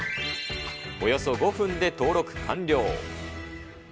およそ５分で登録完了。